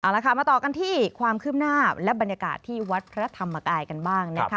เอาละค่ะมาต่อกันที่ความคืบหน้าและบรรยากาศที่วัดพระธรรมกายกันบ้างนะคะ